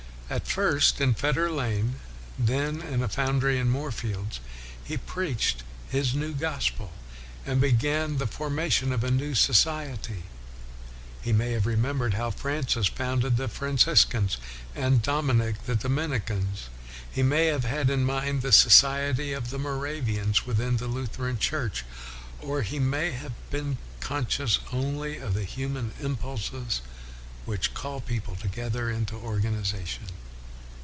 At first in Fetter Lane, then in a foundry in Moorfields, he preached his new gospel, and began the formation of a new society. He may have remembered how Francis founded the Franciscans and WESLEY 309 Dominic the Dominicans; he may have had in mind the society of the Moravians, within the Lutheran Church; or he may have been conscious only of the human impulses which call people together into organization.